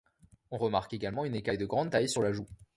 On remarque également une écaille de grande taille sur la joue.